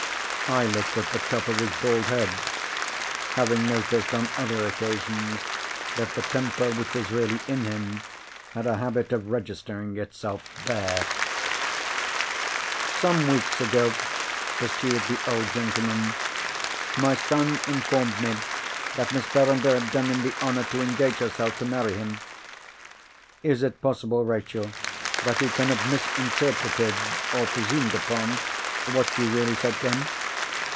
I looked at the top of his bald head; having noticed on other occasions that the temper which was really in him had a habit of registering itself there. "Some weeks ago," pursued the old gentleman, "my son informed me that Miss Verinder had done him the honour to engage herself to marry him. Is it possible, Rachel, that he can have misinterpreted—or presumed upon—what you really said to him?"